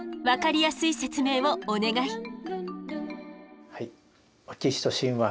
分かりやすい説明をお願い。